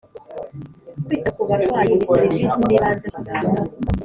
Kwita kubarwayi ni serivise zibanze kubaganga